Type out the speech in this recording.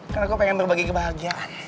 karena aku pengen berbagi kebahagiaan